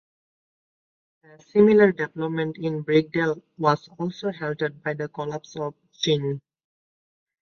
A similar development in Birkdale was also halted by the collapse of Pochin.